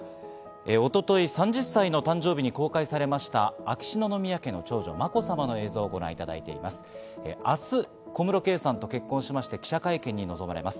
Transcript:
一昨日、３０歳の誕生日に公開されました秋篠宮家の長女・まこさまの映像をご覧いただいています。